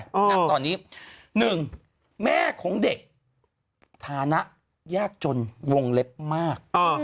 อย่างตอนนี้๑แม่ของเด็กฐานะแยกจนวงเล็บมาก